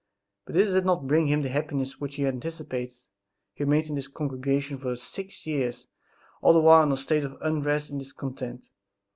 But this did not bring him the happiness which he had anticipated. He remained in this congregation for six years, all the while in a state of unrest and discontent.